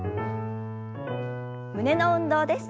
胸の運動です。